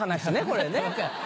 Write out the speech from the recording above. これね。